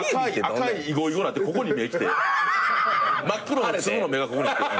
赤いイゴイゴになってここに目来て真っ黒の目がここに。